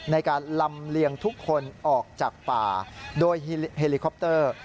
ในการลำเลียงทุกคนออกจากป่าโดยเฮลิคอปเตอร์